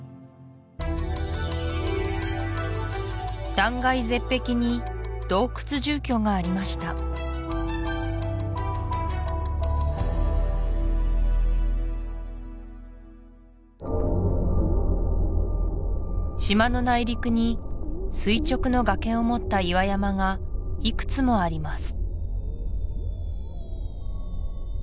断崖絶壁に洞窟住居がありました島の内陸に垂直の崖を持った岩山がいくつもあります